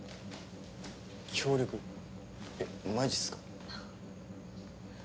えっマジっすか。